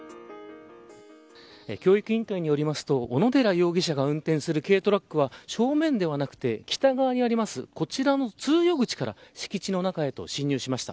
教育委員会によりますと小野寺容疑者が運転する軽トラックは正面ではなくて北側にあるこちらの通用口から敷地の中へと侵入しました。